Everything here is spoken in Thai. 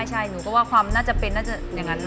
ใช่หนูก็ว่าความน่าจะเป็นน่าจะอย่างนั้น